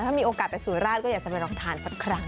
ถ้ามีโอกาสไปสุราชก็อยากจะไปลองทานสักครั้ง